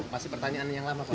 masih pertanyaan yang lama pak